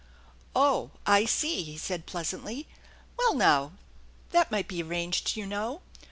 " Oh, I see/' he said pleasantly. " Well, now, that might be arranged, you know.